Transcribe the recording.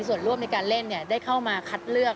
ควักเพิ่มตัวเองทั้งหมดเลย